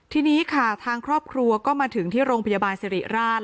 ทีนี้ค่ะทางครอบครัวก็มาถึงที่โรงพยาบาลสิริราช